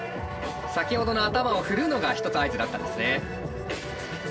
先ほどの頭を振るのが一つ合図だったんですね。